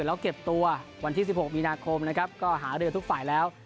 แล้วเก็บตัววันที่๑๖มีนาคมนะครับก็หารือทุกฝ่ายแล้ว